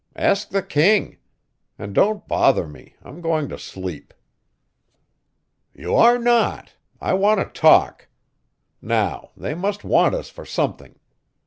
Ask the king. And don't bother me; I'm going to sleep." "You are not. I want to talk. Now, they must want us for something.